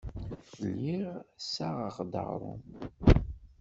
Lliɣ ssaɣeɣ-d aɣrum.